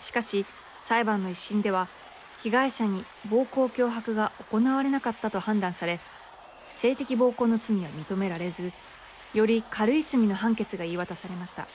しかし、裁判の１審では被害者に暴行・脅迫が行われなかったと判断され性的暴行の罪は認められずより軽い罪の判決が言い渡されました。